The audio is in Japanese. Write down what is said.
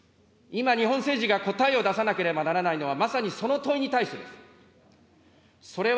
今、日本政治が答えを出さなければならないのは、まさにその問いに対してです。